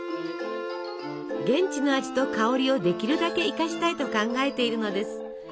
現地の味と香りをできるだけ生かしたいと考えているのです。